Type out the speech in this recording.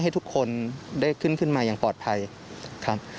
ให้ทุกคนได้ขึ้นขึ้นมาอย่างปลอดภัยครับ